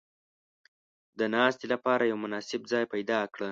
• د ناستې لپاره یو مناسب ځای پیدا کړه.